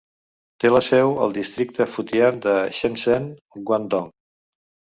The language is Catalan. Té la seu al districte Futian de Shenzhen, Guangdong.